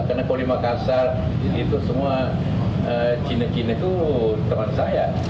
karena polimakasar cina cina itu semua teman saya